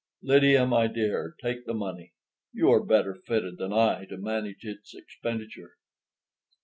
Lydia, my dear, take the money. You are better fitted than I to manage its expenditure."